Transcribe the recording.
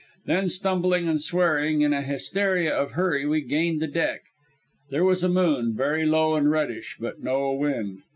Then stumbling and swearing, in a hysteria of hurry, we gained the deck. There was a moon, very low and reddish, but no wind.